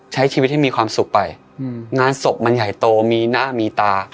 ใช้ชีวิตให้มีความสุขไปงานศพมันใหญ่โตมีหน้ามีตา